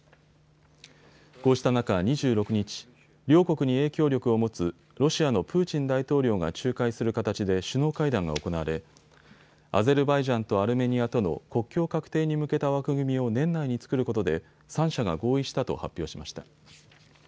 こうした中、２６日、両国に影響力を持つロシアのプーチン大統領が仲介する形で首脳会談が行われアゼルバイジャンとアルメニアとの国境画定に向けた枠組みを年内に作ることで３者が合意したと発表しました。